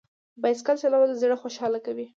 بایسکل چلول زړه خوشحاله کوي.